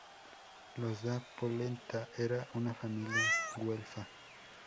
Los Da Polenta era una familia güelfa.